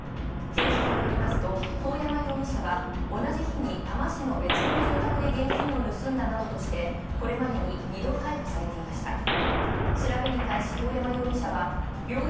警視庁によると遠山容疑者は同じ日に多摩市の別の住宅で現金を盗んだなどとして、これまでに二度逮捕されました。